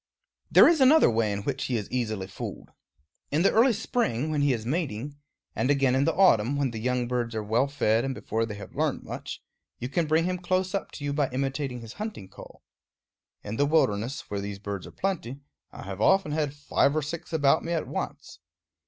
There is another way in which he is easily fooled. In the early spring, when he is mating, and again in the autumn, when the young birds are well fed and before they have learned much, you can bring him close up to you by imitating his hunting call. In the wilderness, where these birds are plenty, I have often had five or six about me at once.